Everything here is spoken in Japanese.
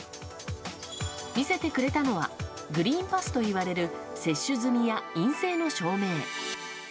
見せてくれたのはグリーンパスといわれる接種済みや陰性の証明。